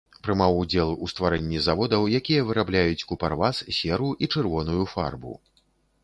Прымаў удзел у стварэнні заводаў, якія вырабляюць купарвас, серу і чырвоную фарбу.